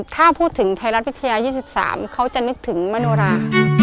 ถ้าพูดถึงไทยรัฐวิทยา๒๓เขาจะนึกถึงมโนรา